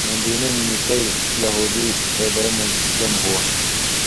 مدینہ نہ نِکَیل یہودی خېبرہ مہ جمع ہُووان٘س،